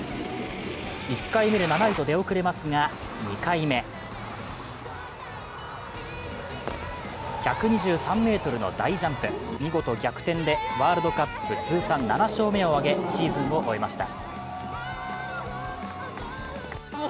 １回目で７位と出遅れますが２回目１２３ｍの大ジャンプ、見事逆転でワールドカップ通算７勝目を挙げシーズンを終えました。